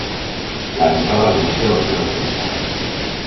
La entrada al museo es gratuita.